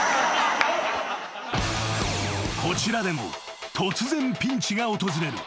［こちらでも突然ピンチが訪れる］